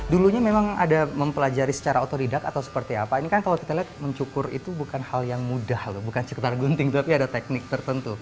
dulunya memang ada mempelajari secara otodidak atau seperti apa ini kan kalau kita lihat mencukur itu bukan hal yang mudah loh bukan sekedar gunting tapi ada teknik tertentu